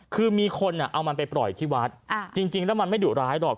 คือมีคนเอามันไปปล่อยที่วัดจริงแล้วมันไม่ดุร้ายหรอก